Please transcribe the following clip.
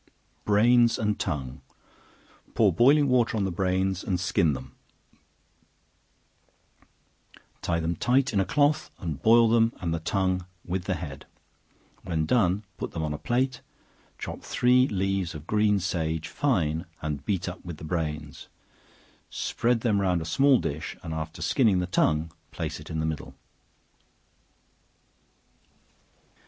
Brains and Tongue. Pour boiling water on the brains, and skin them; tie them tight in a cloth, and boil them and the tongue with the head; when done put them on a plate, chop three leaves of green sage fine, and beat up with the brains, spread them round a small dish, and after skinning the tongue, place it in the middle.